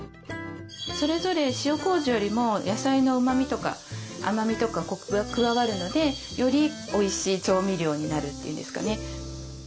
それぞれ塩こうじよりも野菜のうまみとか甘みとかコクが加わるのでよりおいしい調味料になるというんですかね。